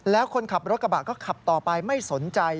แล้วคนขับรถกระบะก็ขับต่อไปไม่สนใจ